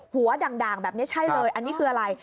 ด่างแบบนี้ใช่เลยอันนี้คืออะไร